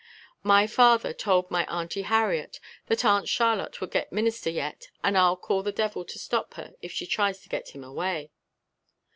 "My father told my Auntie Harriet that Aunt Charlotte would git Minister yet and I'll call the devil to stop her if she tries to get him away."